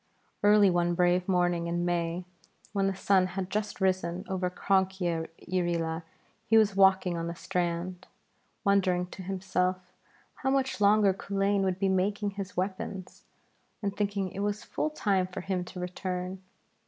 Early one brave morning in May when the sun had just risen over Cronk yn Irree Laa, he was walking on the strand, wondering to himself how much longer Culain would be making his weapons and thinking it was full time for him to return.